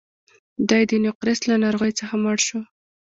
دی د نقرس له ناروغۍ څخه مړ شو.